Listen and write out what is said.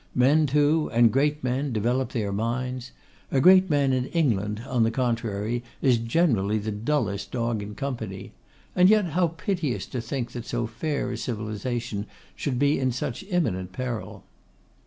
Men too, and great men, develop their minds. A great man in England, on the contrary, is generally the dullest dog in company. And yet, how piteous to think that so fair a civilisation should be in such imminent peril!